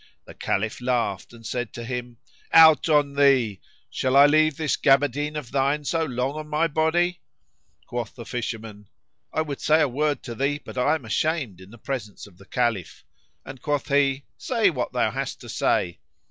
The Caliph laughed and said to him, "Out on thee! Shall I leave this gaberdine of thine so long on my body?" Quoth the fisherman, "I would say a word to thee but I am ashamed in presence of the Caliph!"; and quoth he, "Say what thou hast to say."